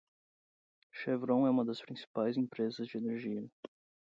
Chevron é uma das principais empresas de energia.